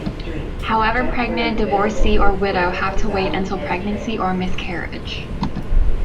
However pregnant divorcee or widow have to wait until pregnancy or miscarriage.